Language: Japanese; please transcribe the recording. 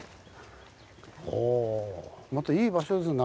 おぉまたいい場所ですね